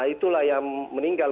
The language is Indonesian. itulah yang meninggal